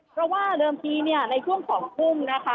เพราะว่าเริ่มที่ในช่วงของกลุ่มนะคะ